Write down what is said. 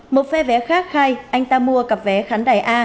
một phe vé khác khai anh ta mua cặp vé khán đài a